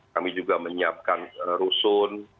kami juga menyiapkan rusun